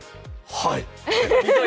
はい！